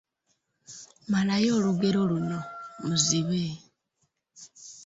Malayo olugero luno: Muzibe, ……